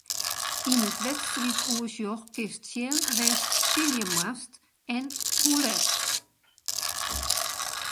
Yn it wedstriidoersjoch kinst sjen wêr'tst spylje moatst en hoe let.